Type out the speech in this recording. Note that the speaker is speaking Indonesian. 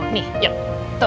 nih yuk tuh